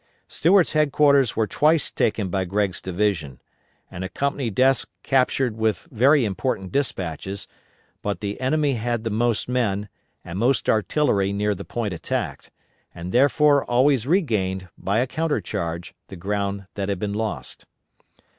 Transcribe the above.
Stuart's headquarters were twice taken by Gregg's division, and a company desk captured with very important despatches, but the enemy had the most men, and most artillery near the point attacked, and therefore always regained, by a counter charge, the ground that had been lost.